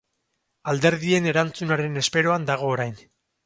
Alderdien erantzunaren esperoan dago orain.